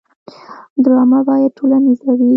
ډرامه باید ټولنیزه وي